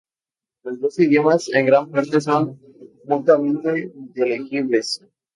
Los dos idiomas, en gran parte, son mutuamente inteligibles.